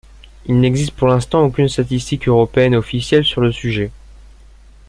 Il n’existe pour l’instant aucune statistique européenne officielle sur le sujet.